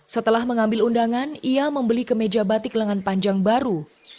setelah mengambil undangan ia membeli kemeja batik lengan panjang baru